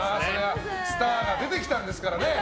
スターが出てきたんですからね。